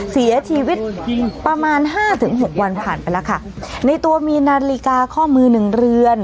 เสียชีวิตประมาณห้าถึงหกวันผ่านไปแล้วค่ะในตัวมีนาฬิกาข้อมือหนึ่งเรือน